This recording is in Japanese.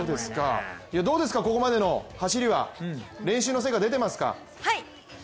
ここまでの走りは練習の成果出ていますか？